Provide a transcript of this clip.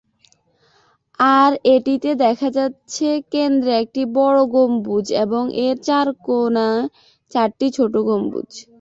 আর এটিতে দেখা যাচ্ছে কেন্দ্রে একটি বড় গম্বুজ এবং এর চারকোণে চারটি ছোট গম্বুজ।